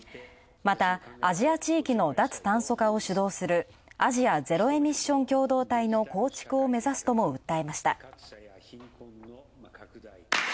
またアジア地域の脱炭素化を主導するアジアゼロエミッション共同体の構築を目指すとも訴えました。